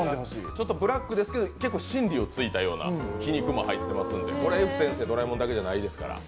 ちょっとブラックですけど真理を突いたような皮肉も入っていますのでＦ先生、「ドラえもん」だけじゃないですから。